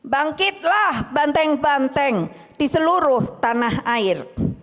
bangkitlah banteng banteng di seluruh tanah air